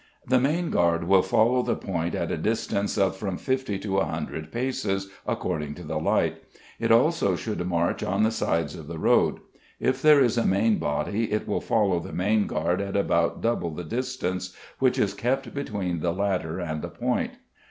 The main guard will follow the point at a distance of from 50 to 100 paces, according to the light; it also should march on the sides of the road. If there is a main body it will follow the main guard at about double the distance which is kept between the latter and the point.